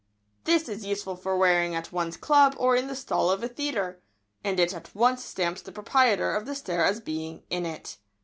] This is useful for wearing at one's club or in the stall of a theatre, and it at once stamps the proprietor of the stare as being "in it."